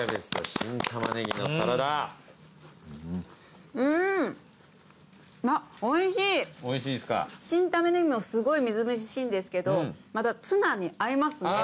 新タマネギもすごいみずみずしいんですけどまたツナに合いますね。